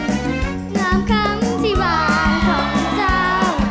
งามคำที่บ้านของเจ้า